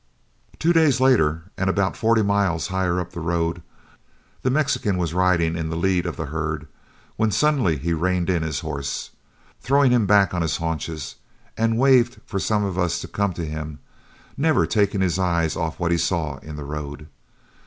"Two days later and about forty miles higher up the road, the Mexican was riding in the lead of the herd, when suddenly he reined in his horse, throwing him back on his haunches, and waved for some of us to come to him, never taking his eyes off what he saw in the road.